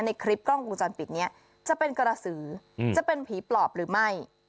ในคลิปกล้องวงจรปิดนี้จะเป็นกระสือจะเป็นผีปลอบหรือไม่